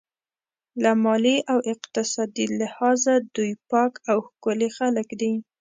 له مالي او اقتصادي لحاظه دوی پاک او ښکلي خلک دي.